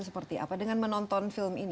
seperti apa dengan menonton film ini